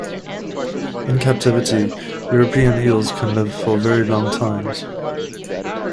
In captivity, European eels can live for very long times.